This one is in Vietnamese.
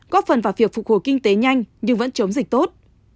góp phần vào việc phục hồi kinh tế nhanh nhưng vẫn chống dịch tốt